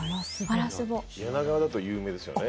柳川だと有名ですよね。